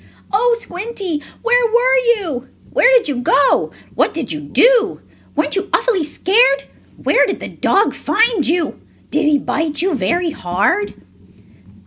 "Oh, Squinty, where were you?" "Where did you go?" "What did you do?" "Weren't you awfully scared?" "Where did the dog find you?" "Did he bite you very hard?"